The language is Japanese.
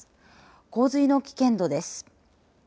洪水の危険度です。